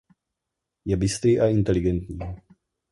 Je bystrý a inteligentní.